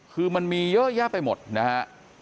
คือมันมีเยอะแยะไปหมดนะฮะ